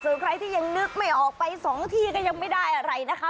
ส่วนใครที่ยังนึกไม่ออกไปสองที่ก็ยังไม่ได้อะไรนะคะ